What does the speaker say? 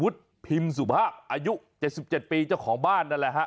พิมพ์สุภาพอายุ๗๗ปีเจ้าของบ้านนั่นแหละฮะ